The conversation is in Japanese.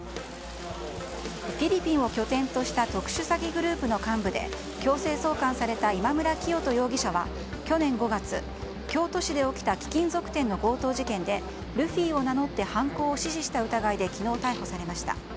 フィリピンを拠点とした特殊詐欺グループの幹部で強制送還された今村磨人容疑者は去年５月、京都市で起きた貴金属店の強盗事件でルフィを名乗って犯行を指示した疑いで昨日、逮捕されました。